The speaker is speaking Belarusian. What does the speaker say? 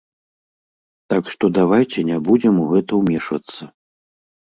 Так што давайце не будзем у гэта ўмешвацца.